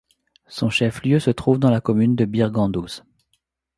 Son chef-lieu se trouve dans la commune de Bir Gandouz.